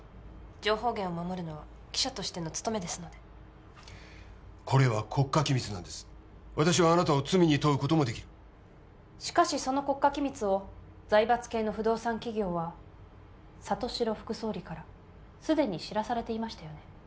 情報源を守るのは記者としての務めですのでこれは国家機密なんです私はあなたを罪に問うこともできるしかしその国家機密を財閥系の不動産企業は里城副総理からすでに知らされていましたよね